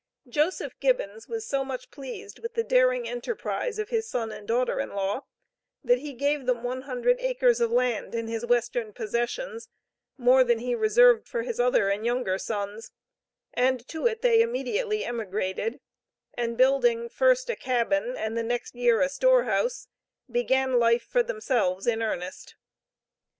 Joseph Gibbons was so much pleased with the daring enterprise of his son and daughter in law, that he gave them one hundred acres of land in his Western possessions more than he reserved for his other and younger sons, and to it they immediately emigrated, and building first a cabin and the next year a store house, began life for themselves in earnest.